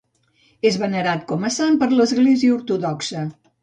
És venerat com a sant per l'Església Ortodoxa.